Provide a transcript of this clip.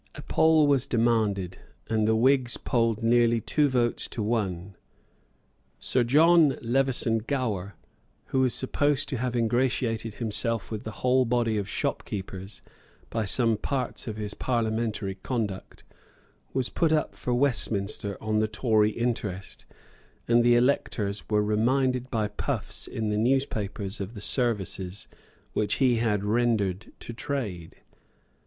A poll was demanded; and the Whigs polled nearly two votes to one. Sir John Levison Gower, who was supposed to have ingratiated himself with the whole body of shopkeepers by some parts of his parliamentary conduct, was put up for Westminster on the Tory interest; and the electors were reminded by puffs in the newspapers of the services which he had rendered to trade.